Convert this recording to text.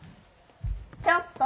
ちょっと！